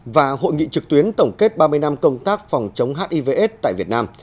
và hội nghị trực tuyến tổng kết ba mươi năm công tác phòng chống hivs tại việt nam